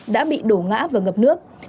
đã bị đổ ngã và ngập nước